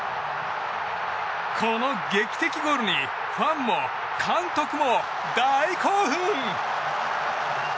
この劇的ゴールにファンも監督も大興奮！